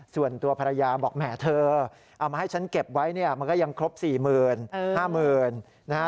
ส่วนตัวภรรยาบอกแหมเธอเอามาให้ฉันเก็บไว้เนี่ยมันก็ยังครบ๔๕๐๐๐นะฮะ